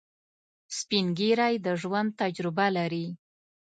سپین ږیری د ژوند تجربه لري